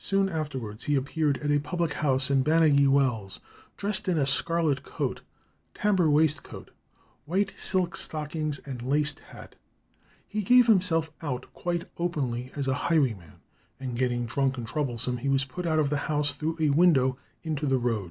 Soon afterwards he appeared at a public house in Bagnigge Wells, dressed in a scarlet coat, tambour waistcoat, white silk stockings, and laced hat. He gave himself out quite openly as a highwayman, and getting drunk and troublesome, he was put out of the house through a window into the road.